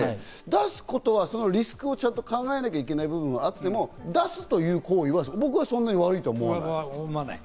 出すことはちゃんとリスクを考えなきゃいけない部分はあっても、出すという行為は僕はそんなに悪いと思わない。